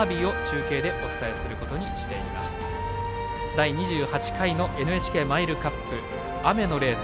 第２８回ＮＨＫマイルカップ雨のレース。